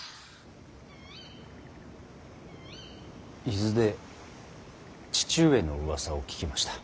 伊豆で父上のうわさを聞きました。